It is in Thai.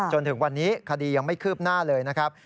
จนถึงวันนี้คดียังไม่คืบหน้าเลยนะครับ